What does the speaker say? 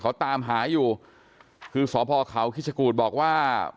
เขาตามหาอยู่คือสพเขาคิชกูธบอกว่า